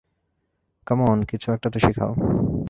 কাম on, কিছু একটা তো শেখাও।